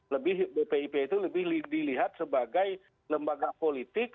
lebih bpip itu lebih dilihat sebagai lembaga politik